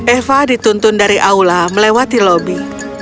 eva dituntun dari aula melewati lobby